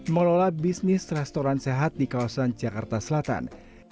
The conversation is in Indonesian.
mengelola bisnis restoran sehat di kawasan jakarta selatan